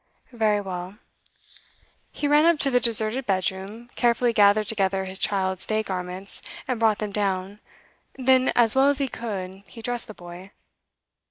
'Very well.' He ran up to the deserted bedroom, carefully gathered together his child's day garments, and brought them down. Then, as well as he could, he dressed the boy.